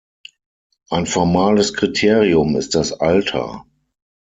Ein formales Kriterium ist das "Alter".